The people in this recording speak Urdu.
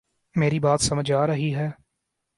میری بات سمجھ آ رہی ہے